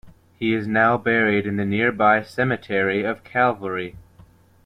He now is buried in the nearby cemetery of Calvary.